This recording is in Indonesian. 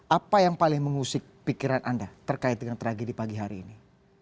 apa yang paling mengusik pikiran anda terkait dengan tragedi pagi hari ini